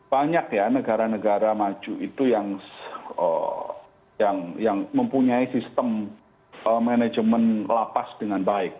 banyak ya negara negara maju itu yang mempunyai sistem manajemen lapas dengan baik